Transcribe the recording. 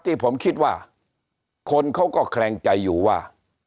ที่ผมคิดว่าคนเขาก็แคลงใจอยู่ว่า